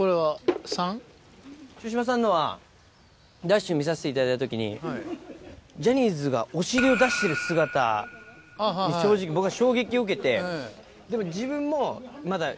城島さんのは『ＤＡＳＨ‼』見させていただいた時にジャニーズがお尻を出してる姿に正直僕は衝撃を受けて。